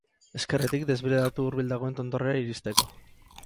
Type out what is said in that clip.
Ezkerretik, desbideratu hurbil dagoen tontorrera iristeko.